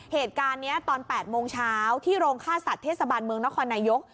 เหตุการณ์นี้ตอน๘โมงเช้าที่โรงฆ่าสัตว์เทศบาลเมืองนครนายก